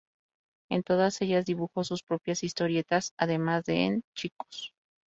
En todas ellas dibujó sus propias historietas, además de en "Chicos".